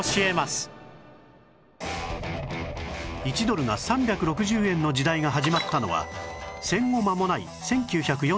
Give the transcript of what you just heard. １ドルが３６０円の時代が始まったのは戦後間もない１９４９年